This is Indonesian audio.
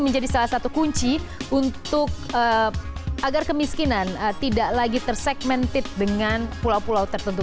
menjadi salah satu kunci untuk agar kemiskinan tidak lagi tersegmented dengan pulau pulau tertentu